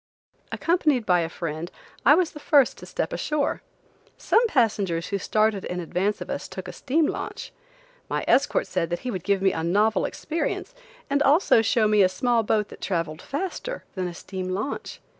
Accompanied by a friend, I was the first to step ashore. Some passengers who started in advance of us, took a steam launch. My escort said that he would give me a novel experience, and also show me a small boat that traveled faster than a steam launch.